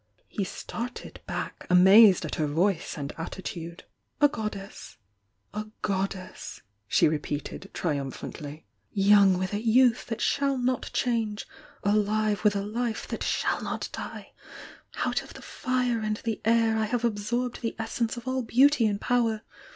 He started back, amazed at her voice and atti tude. "A goddess— a goddess !" she repeated, trium phantly. "Young with a youth that shall not change— alive wiOi a life that shall not die! Out of the fire and the air I have absorbed the essence of all beauty and power!